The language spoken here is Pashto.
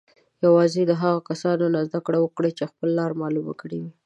یوازې د هغو کسانو نه زده کړه وکړئ چې خپله لاره معلومه کړې وي.